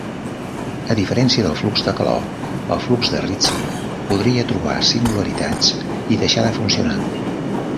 A diferència del flux de calor, el flux de Ricci podria trobar singularitats i deixar de funcionar.